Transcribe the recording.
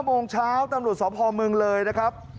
โมงเช้าตำรวจสพเมืองเลยนะครับ